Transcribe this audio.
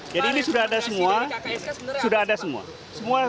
jadi ini sudah ada semua